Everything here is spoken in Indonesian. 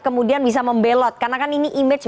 kemudian bisa membelot karena kan ini image